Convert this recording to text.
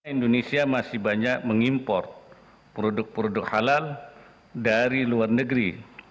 indonesia masih banyak mengimport produk produk halal dari luar negeri